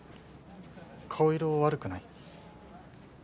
顔色悪くない？